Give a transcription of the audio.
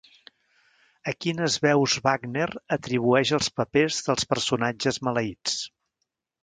A quines veus Wagner atribueix els papers dels personatges maleïts?